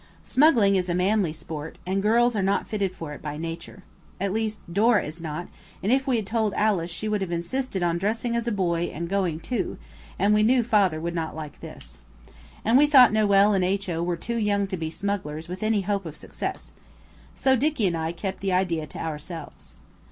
Smuggling is a manly sport, and girls are not fitted for it by nature. At least Dora is not; and if we had told Alice she would have insisted on dressing as a boy and going too, and we knew Father would not like this. And we thought Noël and H.O. were too young to be smugglers with any hope of success. So Dicky and I kept the idea to ourselves.